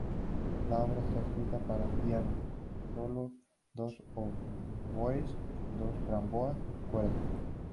La obra está escrita para piano solo, dos oboes, dos trompas, y cuerdas.